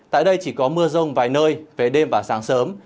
tại đây chỉ có mưa rông vài nơi về đêm và sáng sớm